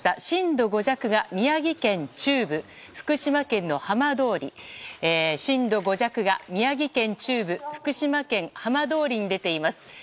震度５弱が宮城県中部、福島県の浜通り震度５弱が宮城県中部福島県浜通りに出ています。